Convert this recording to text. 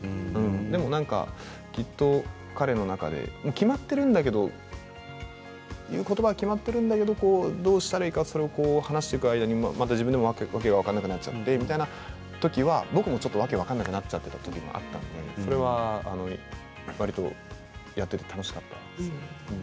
でもなんか彼の中で決まっているんだけど言うことばは決まっているんだけどどうしたらいいのかそれを話していく間に自分でも訳が分からなくなっちゃってみたいなときは僕もちょっと訳が分からなくなっちゃったときもあったんですけどわりとやっていて楽しかったですね。